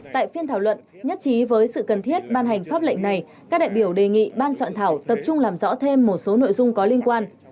tại phiên thảo luận nhất trí với sự cần thiết ban hành pháp lệnh này các đại biểu đề nghị ban soạn thảo tập trung làm rõ thêm một số nội dung có liên quan